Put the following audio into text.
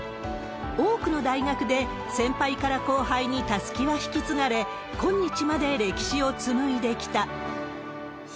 多くの大学で先輩から後輩にたすきは引き継がれ、今日まで歴史をつむいできた。